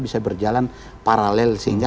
bisa berjalan paralel sehingga